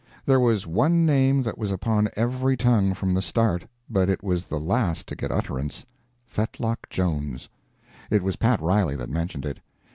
There was one name that was upon every tongue from the start, but it was the last to get utterance Fetlock Jones's. It was Pat Riley that mentioned it.